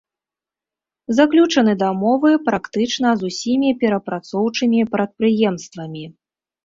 Заключаны дамовы практычна з усімі перапрацоўчымі прадпрыемствамі.